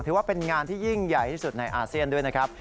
ถือว่าเป็นงานที่ยิ่งใหญ่ที่สุดในอาเซียนด้วยนะครับ